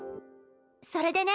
それでね。